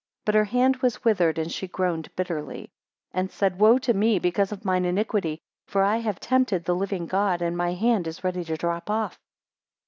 20 But her hand was withered, and she groaned bitterly; 21 And said, Woe to me, because of mine iniquity; for I have tempted the living God, and my hand is ready to drop off.